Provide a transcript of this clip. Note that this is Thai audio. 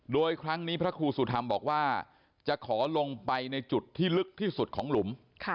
โดยครั้งนี้พระครูสุธรรมบอกว่าจะขอลงไปในจุดที่ลึกที่สุดของหลุม